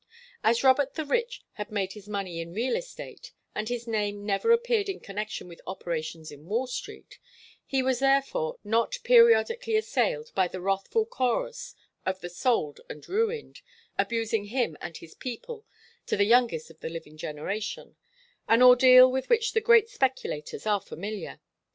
As Robert the Rich had made his money in real estate, and his name never appeared in connection with operations in Wall Street, he was therefore not periodically assailed by the wrathful chorus of the sold and ruined, abusing him and his people to the youngest of the living generation, an ordeal with which the great speculators are familiar.